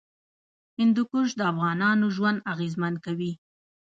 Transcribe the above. هندوکش د افغانانو ژوند اغېزمن کوي.